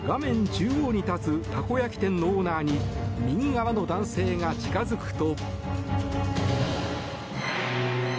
中央に立つたこ焼き店のオーナーに右側の男性が近づくと。